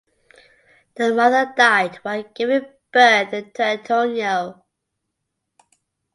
The mother died while giving birth to Antonio.